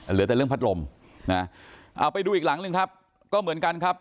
เหลือแต่เรื่องพัดลมนะเอาไปดูอีกหลังหนึ่งครับก็เหมือนกันครับ